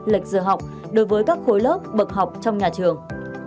lệch giờ học đối với các khối lớp bậc học trong nhà trường